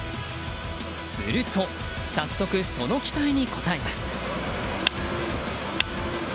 すると早速、その期待に応えます。